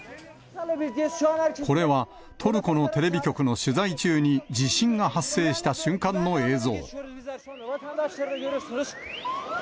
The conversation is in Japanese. これは、トルコのテレビ局の取材中に地震が発生した瞬間の映像。